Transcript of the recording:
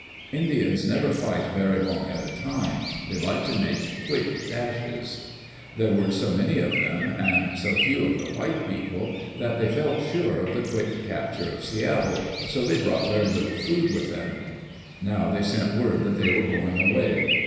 Indians never fight very long at a time. They like to make quick dashes. There were so many of them and so few of the white people that they felt sure of the quick capture of Seattle, so they brought very little food with them. Now they sent word that they were going away.